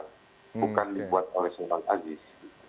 bukan dibuat oleh seorang aziz